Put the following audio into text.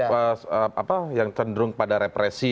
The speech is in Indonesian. tadi soal yang cenderung pada represi